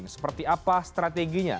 seperti apa strateginya